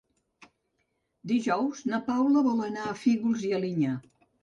Dijous na Paula vol anar a Fígols i Alinyà.